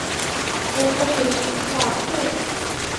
কোনো শেষ ইচ্ছা আছে?